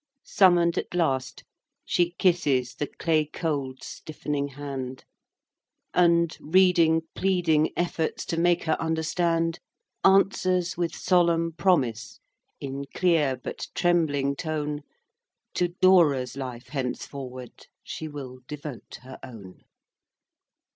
XIII. Summon'd at last: she kisses The clay cold stiffening hand; And, reading pleading efforts To make her understand, Answers, with solemn promise, In clear but trembling tone, To Dora's life henceforward She will devote her own.